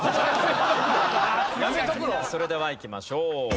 それではいきましょう。